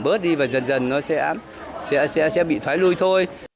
bớt đi và dần dần nó sẽ bị thoái lui thôi